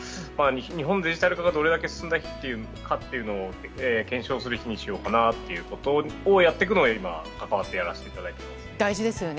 日本のデジタル化がどれだけ進んだかというのを検証する日にしようかなということをやっていこうかなというのを関わってやらせていただこうと大事ですね。